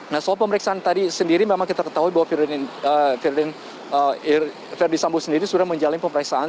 nah soal pemeriksaan tadi sendiri memang kita ketahui bahwa verdi sambo sendiri sudah menjalani pemeriksaan